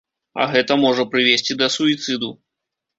А гэта можа прывесці да суіцыду.